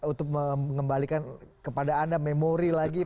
untuk mengembalikan kepada anda memori lagi